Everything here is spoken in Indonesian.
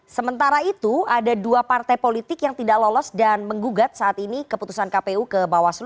sementara itu ada dua partai politik yang tidak lolos dan menggugat saat ini keputusan kpu ke bawaslu